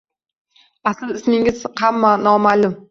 Asl ismingiz ham noma`lum